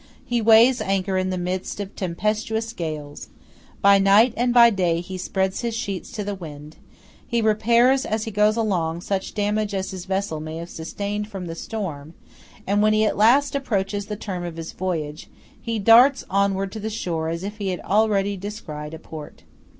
He weighs anchor in the midst of tempestuous gales; by night and by day he spreads his sheets to the wind; he repairs as he goes along such damage as his vessel may have sustained from the storm; and when he at last approaches the term of his voyage, he darts onward to the shore as if he already descried a port.